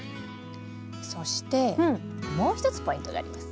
そしてもう一つポイントがあります。